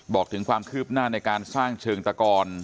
บอกถึงความคืบหน้าในการสร้างเชิงตะกร